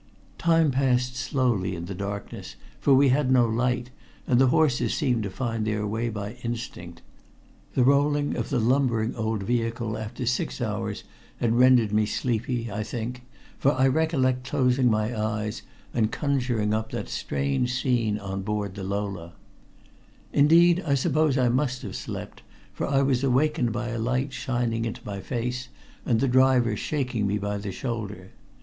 Time passed slowly in the darkness, for we had no light, and the horses seemed to find their way by instinct. The rolling of the lumbering old vehicle after six hours had rendered me sleepy, I think, for I recollect closing my eyes and conjuring up that strange scene on board the Lola. Indeed, I suppose I must have slept, for I was awakened by a light shining into my face and the driver shaking me by the shoulder.